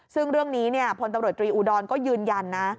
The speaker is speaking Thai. ซึ่งเรื่องนี้พลตำรวจตรีอุดรก็ยืนยันนะ